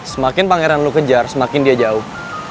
semakin pangeran lo kejar semakin dia jauh